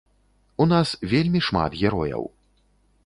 У нас вельмі шмат герояў.